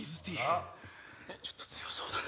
ちょっと強そうだな。